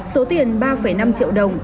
số tiền ba năm triệu đồng